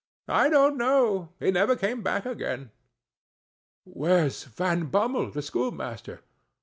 I don't know— he never came back again." "Where's Van Bummel, the schoolmaster?"